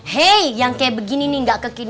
hei yang kayak begini nih gak kekini